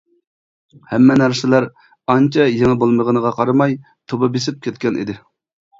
ھەممە نەرسىلەر ئانچە يېڭى بولمىغىنىغا قارىماي توپا بېسىپ كەتكەنىدى.